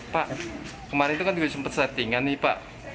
pak kemarin itu kan juga sempat settingan nih pak